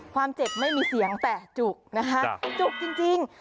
ความเจ็บไม่มีเสียงแต่จุกนะคะจุกจริง